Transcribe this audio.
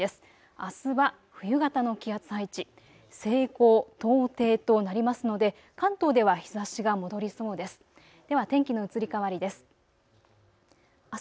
あすは冬型の気圧配置、西高東低となりますので関東では日ざしが戻りそうです。